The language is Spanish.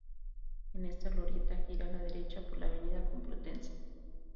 En esta glorieta gira a la derecha por la Avenida Complutense.